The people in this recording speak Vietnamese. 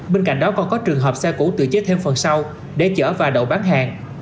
bên cạnh đó còn có trường hợp xe cũ tự chế thêm phần sau để chở và đậu bán hàng